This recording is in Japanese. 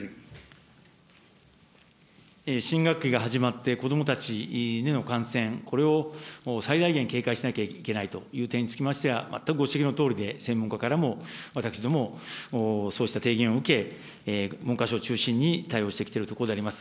新学期が始まって、子どもたちへの感染、これを最大限警戒しなきゃいけないという点につきましては、全くご指摘のとおりで、専門家らからも私ども、そうした提言を受け、文科省中心に対応してきているところであります。